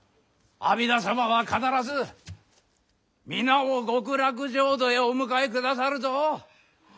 阿弥陀様は必ず皆を極楽浄土へお迎えくださるぞ！